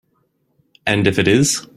And if it is?